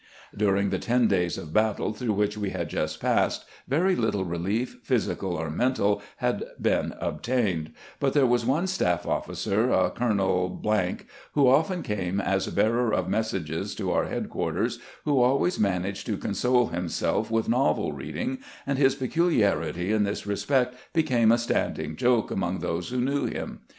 During the ten days of battle through which we had just passed very little relief, physical or mental, had been obtained ; but there was one staif ofiicer, a Colonel B , who often came as bearer of messages to our headquarters, who always managed to console himself with novel reading, and his peculiarity in this respect became a standing joke among those who knew him.